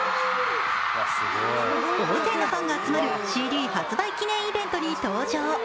大勢のファンが集まるＣＤ発売記念イベントに登場。